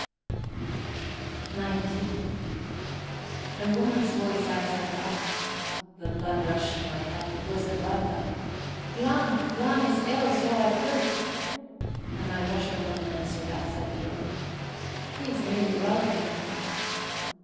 _" XIX A woman's voice outside the hut. The blood rushed to my head it was Edwarda. "Glahn Glahn is ill, so I have heard." And my washerwoman answered outside the door: "He's nearly well again now."